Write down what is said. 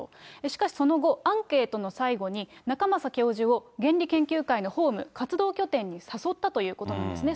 しかし、その後、アンケートの最後に、仲正教授を原理研究会のホーム、活動拠点に誘ったということなんですね。